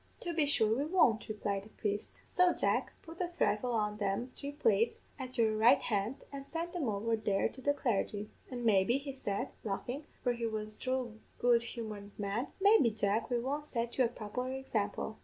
"'To be sure we won't,' replied the priest; 'so, Jack, put a thrifle on them three plates at your right hand, and send them over here to the clargy, an' maybe,' he said, laughin' for he was a droll good humoured man 'maybe, Jack, we won't set you a proper example.'